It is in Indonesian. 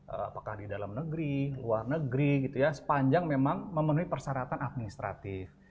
apakah di dalam negeri luar negeri gitu ya sepanjang memang memenuhi persyaratan administratif